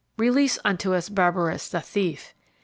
Release unto us Barabbas, the Thief."